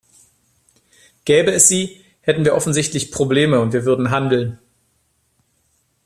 Gäbe es sie, hätten wir offensichtlich Probleme, und wir würden handeln.